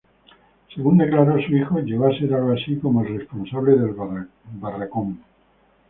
Según declaró su hijo "Llegó a ser algo así como el responsable del barracón".